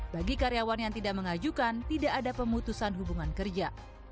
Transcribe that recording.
bagi karyawan yang tidak mengajukan tidak ada pemutusan hubungan kerja